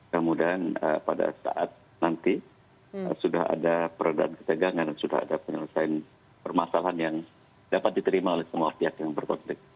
kemudian pada saat nanti sudah ada peredaran ketegangan dan sudah ada penyelesaian permasalahan yang dapat diterima oleh semua pihak yang berkonflik